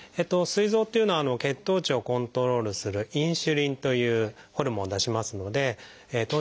すい臓っていうのは血糖値をコントロールするインスリンというホルモンを出しますので糖尿病とは非常に深く関わってます。